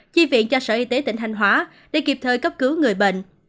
chi viện cho sở y tế tỉnh thanh hóa để kịp thời cấp cứu người bệnh